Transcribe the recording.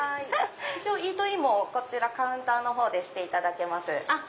イートインもカウンターの方でしていただけます。